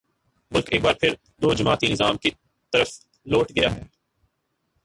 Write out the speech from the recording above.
ملک ایک بار پھر دو جماعتی نظام کی طرف لوٹ گیا ہے۔